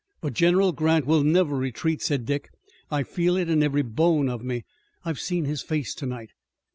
"But General Grant will never retreat," said Dick. "I feel it in every bone of me. I've seen his face tonight."